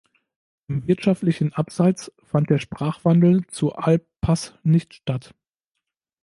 Im wirtschaftlichen Abseits fand der Sprachwandel zu Arl"pass" nicht statt.